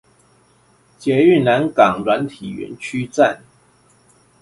捷運南港軟體園區站